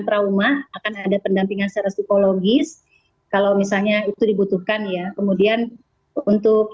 trauma akan ada pendampingan secara psikologis kalau misalnya itu dibutuhkan ya kemudian untuk